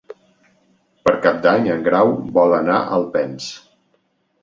Per Cap d'Any en Grau vol anar a Alpens.